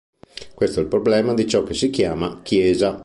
Questo è il problema di ciò che si chiama "Chiesa".